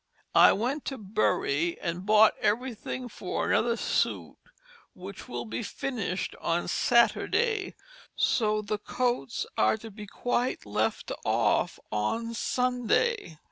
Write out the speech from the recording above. I went to Bury, and bo^t everything for another suitt which will be finisht on Saturday so the coats are to be quite left off on Sunday.